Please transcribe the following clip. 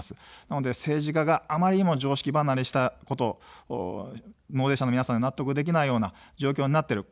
なので政治家があまりにも常識離れしたこと、納税者の皆さんが納得できないような状況になっている。